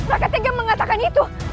raka tidak mengatakan itu